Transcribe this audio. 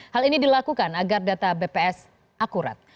hal ini dilakukan agar data bps akurat